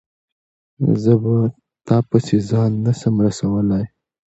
زه په تا پسي ځان نه سم رسولای